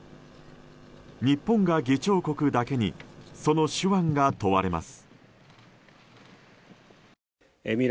日本が議長国だけにその手腕が問われます。